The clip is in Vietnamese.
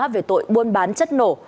về tội buôn bán chất nổ